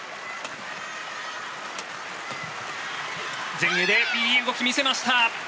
前衛でいい動きを見せました。